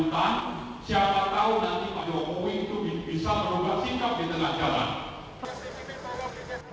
siapa tahu nanti pak jokowi itu bisa merubah sikap di tengah jalan